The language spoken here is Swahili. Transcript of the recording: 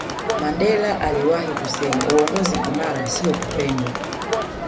mandela aliwahi kusema uongozi imara siyo kupendwa